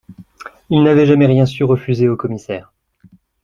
Il n’avait jamais rien su refuser au commissaire